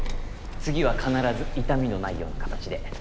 次は必ず痛みのないような形で。